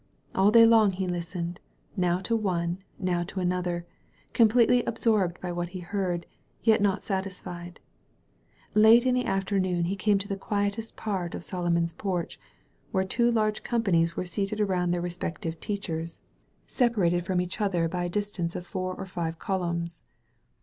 All day long he listened, now to one, now to another, com pletely absorbed by what he heard, yet not satis fied. , Late in the afternoon he came into the quietest part of Solomon's Porch, where two large companies were seated around their respective teachers, sepa 299 THE VALLEY OF VISION rated from each other by a distance of four or five columns.